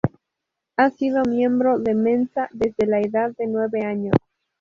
Ha sido miembro de Mensa desde la edad de nueve años.